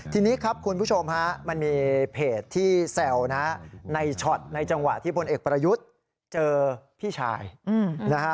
ทีนี้ครับคุณผู้ชมฮะมันมีเพจที่แซวนะในช็อตในจังหวะที่พลเอกประยุทธ์เจอพี่ชายนะฮะ